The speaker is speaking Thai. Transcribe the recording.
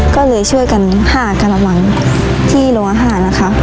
ก็เลยช่วยกันหากระมังที่โรงอาหารนะคะ